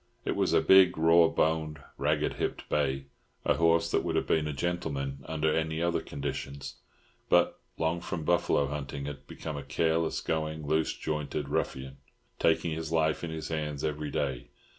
It was a big, raw boned, ragged hipped bay, a horse that would have been a gentleman under any other conditions, but from long buffalo hunting had become a careless going, loose jointed ruffian, taking his life in his hands every day.